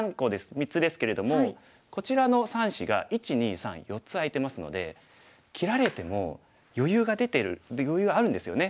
３つですけれどもこちらの３子が１２３４つ空いてますので切られても余裕が出てる余裕があるんですよね。